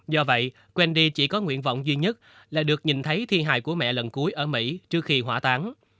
do vậy quendi chỉ có nguyện vọng duy nhất là được nhìn thấy thi hài của mẹ lần cuối ở mỹ trước khi hỏa táng